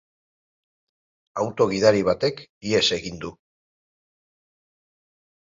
Auto gidari batek ihes egin du.